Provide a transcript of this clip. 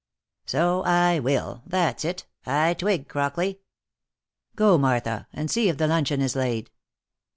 " So I will — that's it — I twig, Crockley. Go, Martha, and see if the luncheon is laid."